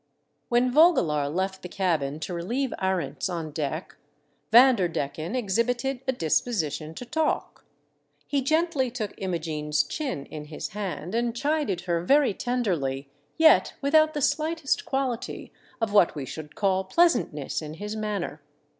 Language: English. When Vogelaar left the cabin to relieve Arents on deck, Vanderdecken exhibited a disposition to talk. He gendy took Imogene's chin in his hand and chided her very tenderly, yet without the slightest quality of what we should call pleasantness in his manner.